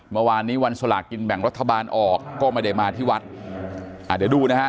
เมื่อวานนี้วันสลากกินแบ่งรัฐบาลออกก็ไม่ได้มาที่วัดอ่าเดี๋ยวดูนะฮะ